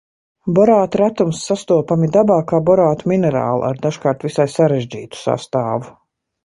Borāti retumis sastopami dabā kā borātu minerāli ar dažkārt visai sarežģītu sastāvu.